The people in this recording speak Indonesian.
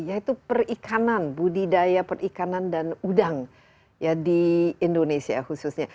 yaitu perikanan budidaya perikanan dan udang di indonesia khususnya